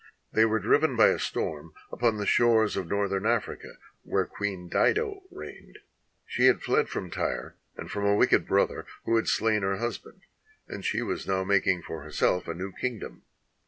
They were driven by a storm upon the shores of northern Africa, where Queen Dido reigned. She had fled from Tyre and from a wicked brother who had slain her husband, and she was now making for herself a new kingdom.